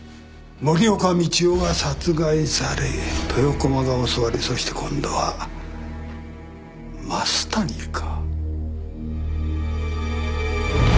森岡道夫が殺害され豊駒が襲われそして今度は増谷か。